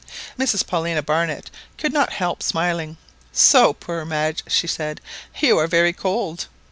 Mrs Paulina Barnett could not help smiling. "So, poor Madge," she said, "you are very cold!"